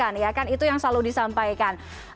kita tanamkan ya kan itu yang selalu disampaikan